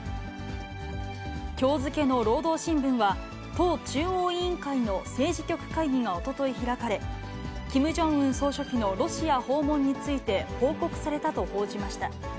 きょう付けの労働新聞は、党中央委員会の政治局会議がおととい開かれ、キム・ジョンウン総書記のロシア訪問について報告されたと報じました。